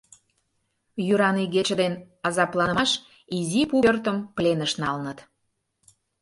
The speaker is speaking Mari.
Йӱран игече ден азапланымаш изи пу пӧртым пленыш налыныт.